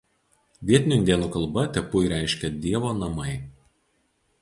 Vietinių indėnų kalba „tepui“ reiškia „Dievo namai“.